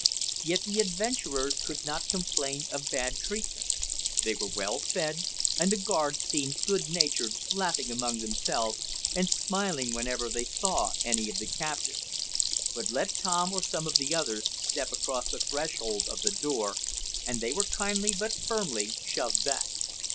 Yet the adventurers could not complain of bad treatment. They were well fed, and the guards seemed good natured, laughing among themselves, and smiling whenever they saw any of the captives. But let Tom or some of the others, step across the threshold of the door, and they were kindly, but firmly, shoved back.